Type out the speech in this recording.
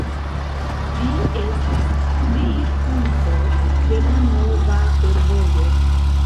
Ĝi estis deirpunkto de la nova fervojo.